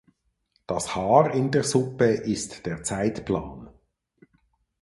Das Haar in der Suppe ist der Zeitplan.